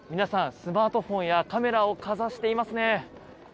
スマートフォンやカメラをかざしていますね。